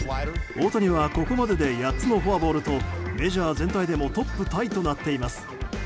大谷はここまでで８つのフォアボールとメジャー全体でもトップタイとなっています。